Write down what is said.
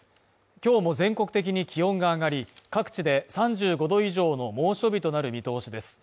今日も全国的に気温が上がり、各地で３５℃以上の猛暑日となる見通しです。